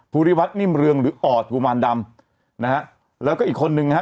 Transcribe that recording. ริวัฒนิ่มเรืองหรือออดกุมารดำนะฮะแล้วก็อีกคนนึงนะฮะ